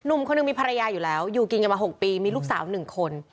หนุ่มคนหนึ่งมีภรรยาอยู่แล้วอยู่กินกันมาหกปีมีลูกสาวหนึ่งคน